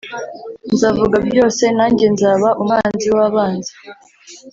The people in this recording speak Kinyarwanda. Nzavuga byose nanjye nzaba umwanzi w abanzi